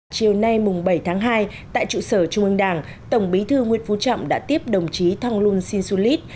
chiều nay bảy tháng hai tại trụ sở trung ương đảng tổng bí thư nguyễn phú trọng đã tiếp đồng chí thonglun sinsulit